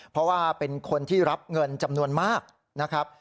เพราะว่าเป็นคนที่รับเงินจำนวนมากนะครับ